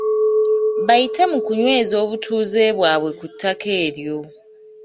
Bayite mu kunyweza obutuuze bwabwe ku ttaka eryo.